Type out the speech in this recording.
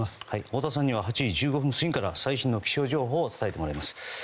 太田さんには８時１５分過ぎから最新の気象情報を伝えてもらいます。